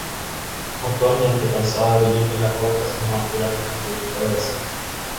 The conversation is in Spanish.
Actualmente Calzada dirige La Puerta Cinematográfica, productora de cine.